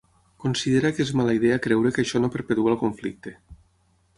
Considera que és mala idea creure que això no perpetua el conflicte.